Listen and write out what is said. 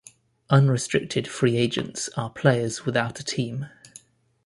Unrestricted free agents are players without a team.